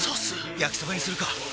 焼きそばにするか！